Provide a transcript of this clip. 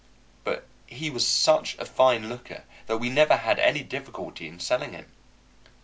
But he was such a fine looker that we never had any difficulty in selling him.